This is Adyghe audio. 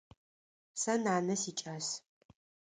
Сэ нанэ сикӏас.